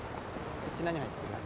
そっち何入ってる？